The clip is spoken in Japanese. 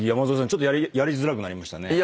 ちょっとやりづらくなりましたね。